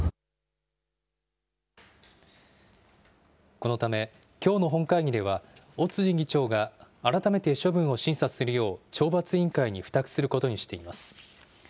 このため、きょうの本会議では、尾辻議長が改めて処分を審査するよう、懲罰委員会に付託することにしています。